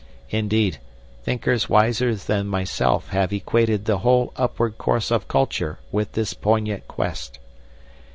Indeed, thinkers wiser than myself have equated the whole upward course of culture with this poignant quest.